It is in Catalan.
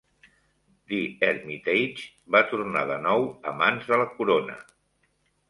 The Hermitage va tornar de nou a mans de la corona.